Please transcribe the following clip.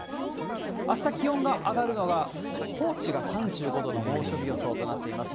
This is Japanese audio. あした気温が上がるのが、高知が３５度の猛暑日予想となっています。